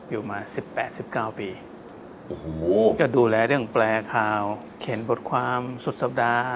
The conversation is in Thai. อยู่มาสิบแปดสิบเก้าปีโอ้โหจะดูแลเรื่องแปลข่าวเขียนบทความสุดสัปดาห์